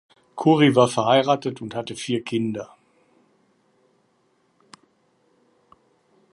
Curi war verheiratet und hatte vier Kinder.